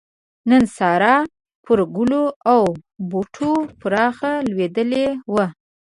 نن سحار پر ګلو او بوټو پرخه لوېدلې وه